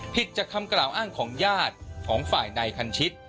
จากคำกล่าวอ้างของญาติของฝ่ายนายคันชิต